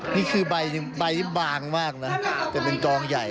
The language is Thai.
นี่คือใบหนึ่งใบบางมากนะแต่เป็นกองใหญ่